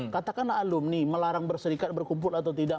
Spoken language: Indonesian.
katakanlah alumni melarang berserikat berkumpul atau tidak